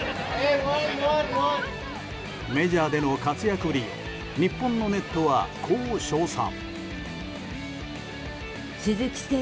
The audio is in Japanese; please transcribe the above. メジャーでの活躍に日本のネットはこう称賛。